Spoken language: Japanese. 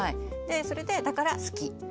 それでだから好き。